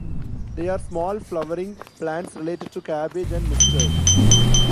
They are small flowering plants related to cabbage and mustard.